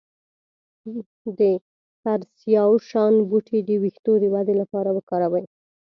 د پرسیاوشان بوټی د ویښتو د ودې لپاره وکاروئ